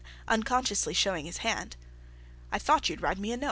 (Unconsciously showing his hand.) "I thought you'd write me a note."